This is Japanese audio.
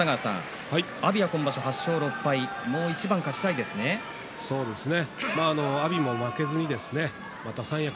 阿炎は今場所８勝６敗もう一番勝ちたいですよね。